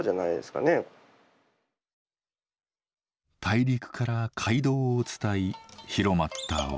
大陸から街道を伝い広まった技。